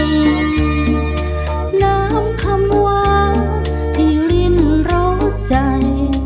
น้ำคำวาที่ริ่นโรคใจ